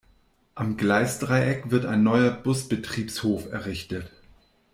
Am Gleisdreieck wird ein neuer Busbetriebshof errichtet.